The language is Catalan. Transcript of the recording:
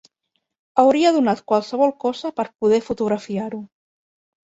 Hauria donat qualsevol cosa per poder fotografiar-ho.